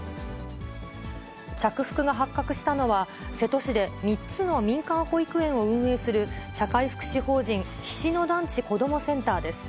着服が発覚したのは、瀬戸市で３つの民間保育園を運営する、社会福祉法人菱野団地子どもセンターです。